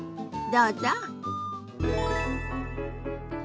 どうぞ。